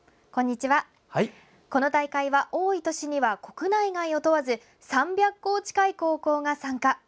この大会は、多い年には国内外を問わず３００校近い高校が参加。